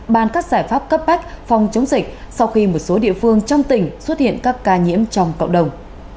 bàn các giải pháp cấp bách phòng chống dịch sau khi một số địa phương trong tỉnh xuất hiện các ca nhiễm trong cộng đồng